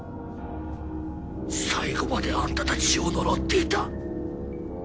最後までアンタたちを呪っていた。